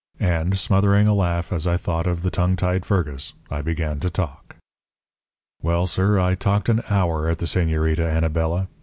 And, smothering a laugh as I thought of the tongue tied Fergus, I began to talk. "Well, sir, I talked an hour at the Señorita Anabela.